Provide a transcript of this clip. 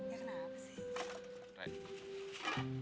ya kenapa sih